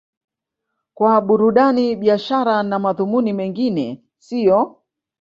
kwa burudani biashara na madhumuni mengine siyo